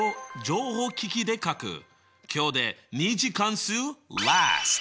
今日で２次関数ラスト！